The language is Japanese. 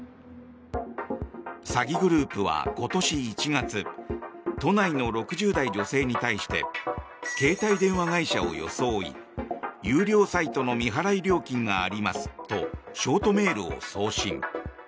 詐欺グループは今年１月都内の６０代女性に対して携帯電話会社を装い有料サイトの未払い料金がありますとショートメールを送信。